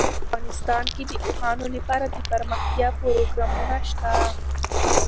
افغانستان کې د اوښانو لپاره دپرمختیا پروګرامونه شته.